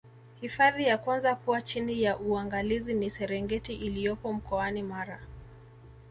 hifadhi ya kwanza kuwa chini ya uangalizi ni serengeti iliyopo mkoani mara